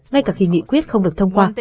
ngay cả khi nghị quyết không được thông qua